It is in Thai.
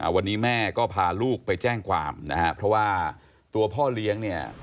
วันนี้แม่ก็พาลูกไปแจ้งความนะฮะเพราะว่าตัวพ่อเลี้ยงเนี่ย